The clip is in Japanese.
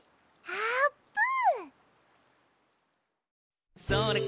あーぷん！